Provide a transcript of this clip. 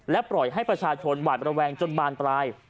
ปล่อยให้ประชาชนหวาดระแวงจนบานปลาย